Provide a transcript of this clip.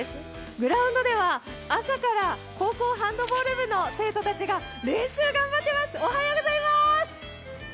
グラウンドでは朝から高校ハンドボール部の生徒が練習を頑張っています。